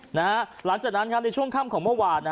หลังจากนั้นในช่วงค่ำของเมื่อวาน